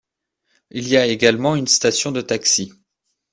Il y a également une station de taxi.